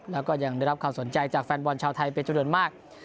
แล้วก็ยังได้รับความสนใจจากแฟนบอลชาวไทยเป็นจำนวนมาก